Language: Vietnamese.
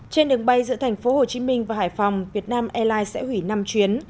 trên đường bay giữa thành phố hồ chí minh và hải phòng việt nam airlines sẽ hủy năm chuyến